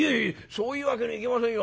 そういうわけにいきませんよ。